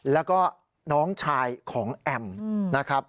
แล้วก็น้องชายของแอมนะครับ